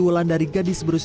memang yang diberi